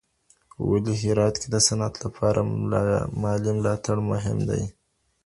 ولي هرات کي د صنعت لپاره مالي ملاتړ مهم دی؟